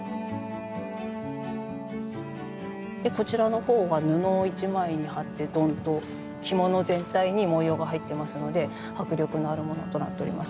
でこちらの方は布を１枚に貼ってドンと着物全体に文様が入ってますので迫力のあるものとなっております。